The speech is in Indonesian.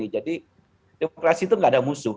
jadi demokrasi itu tidak ada musuh